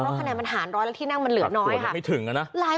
เพราะคะแนนมันหารร้อยและที่นั่งมันเหลือน้อย